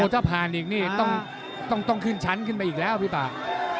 ถ้าผ่านอีกนี่ต้องขึ้นชั้นขึ้นไปอีกแล้วพี่ปาก